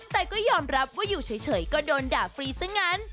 แต่ก็ยอมรับว่าอยู่เฉยก็โดนด่าฟรีซะงั้น